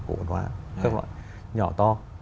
cổ bản hóa các loại nhỏ to